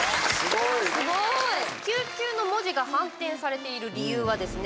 「救急」の文字が反転されている理由はですね